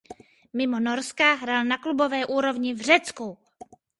Mimo Norska hrál na klubové úrovni v Řecku.